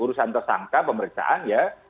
urusan tersangka pemeriksaan ya